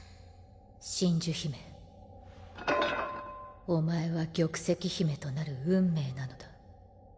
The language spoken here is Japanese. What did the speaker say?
真珠姫お前は玉石姫となる運命なのだ。